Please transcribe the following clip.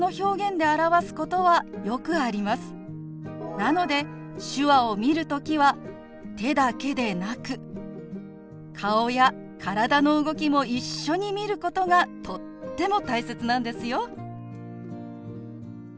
なので手話を見る時は手だけでなく顔や体の動きも一緒に見ることがとっても大切なんですよ。